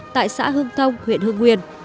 tại xã hương thông huyện hương nguyên